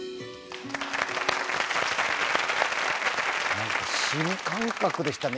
なんか、新感覚でしたね。